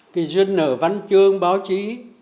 kỳ duyên ở văn chương báo chí